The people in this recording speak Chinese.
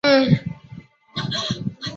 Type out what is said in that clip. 北加州并非一个正式依地理命名的地名。